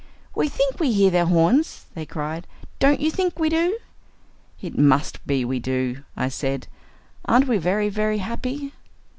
"We think we hear their horns," they cried. "Don't you think we do?" "It must be we do," I said. "Aren't we very, very happy?"